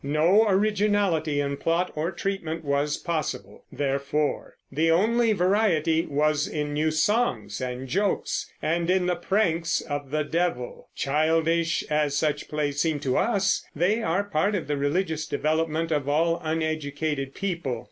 No originality in plot or treatment was possible, therefore; the only variety was in new songs and jokes, and in the pranks of the devil. Childish as such plays seem to us, they are part of the religious development of all uneducated people.